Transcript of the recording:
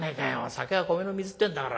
酒は米の水ってんだから。